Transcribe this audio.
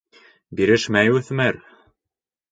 Бирешмәй үҫмер.